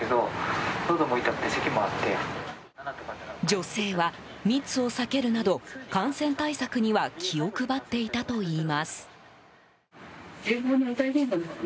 女性は密を避けるなど感染対策には気を配っていたといいます。